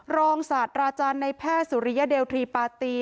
รองศาสตราจารย์ในแพทย์สุริยเดลทรีปาตี